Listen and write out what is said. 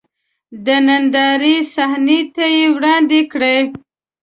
د نندارې صحنې ته وړاندې کړي.